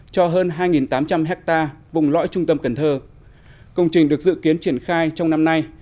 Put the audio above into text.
cho hơn hai tám trăm linh hectare vùng lõi trung tâm cần thơ công trình được dự kiến triển khai trong năm nay